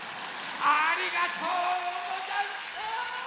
ありがとうござんす！